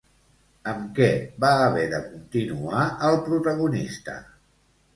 Amb què va haver de continuar el protagonista?